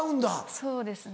そうですね。